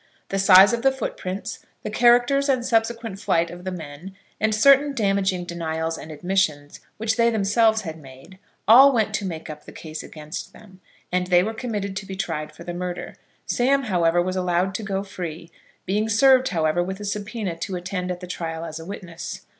The size of the footprints, the characters and subsequent flight of the men, and certain damaging denials and admissions which they themselves had made, all went to make up the case against them, and they were committed to be tried for the murder. Sam, however, was allowed to go free, being served, however, with a subpoena to attend at the trial as a witness.